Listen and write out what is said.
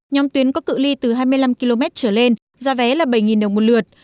nhóm tuyến có cự li từ hai mươi năm km trở lên giá vé là bảy đồng một lượt